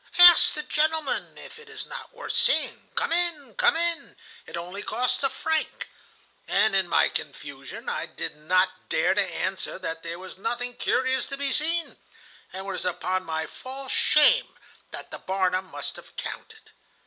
'Ask the gentleman if it is not worth seeing! Come in, come in! It only costs a franc!' And in my confusion I did not dare to answer that there was nothing curious to be seen, and it was upon my false shame that the Barnum must have counted.